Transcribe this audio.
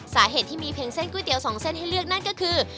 สาเหตุที่มีเพียงเส้นก๋วยเตี๋ยวสองเส้นให้เลือกนั่นก็คือ